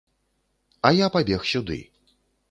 А я пабег сюды.